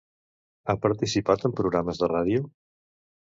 Ha participat en programes de ràdio?